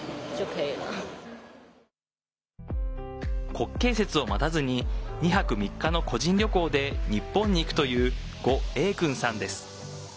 国慶節を待たずに２泊３日の個人旅行で日本に行くという伍穎君さんです。